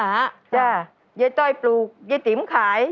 ใช่เย้ต้อยปลูกเย้ติ๋มขาย